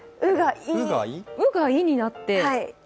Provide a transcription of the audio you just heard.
「う」が「い」になって。